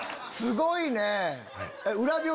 すごいね裏